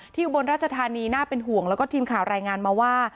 อุบลราชธานีน่าเป็นห่วงแล้วก็ทีมข่าวรายงานมาว่า